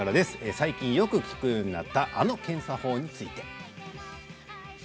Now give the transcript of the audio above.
最近よく聞くようになったあの検査法についてです。